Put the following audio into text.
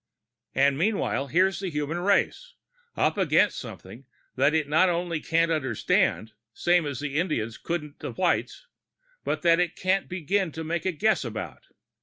"And meanwhile, here's the human race, up against something that it not only can't understand, same as the Indians couldn't the whites, but that it can't begin to make a guess about.